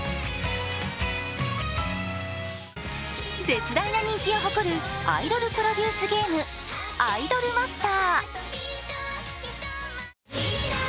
絶大な人気を誇るアイドルプロデュースゲーム、「アイドルマスター」。